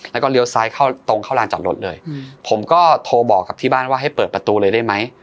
แล้วก็เลี้ยวซ้ายเข้าตรงเข้าลานจอดรถเลยผมก็โทรบอกกับที่บ้านว่าให้เปิดประตูเลยได้ไหม